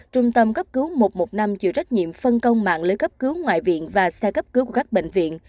trung tâm cấp cứu một trăm một mươi năm chịu trách nhiệm phân công mạng lưới cấp cứu ngoại viện và xe cấp cứu của các bệnh viện